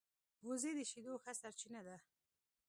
وزې د شیدو ښه سرچینه ده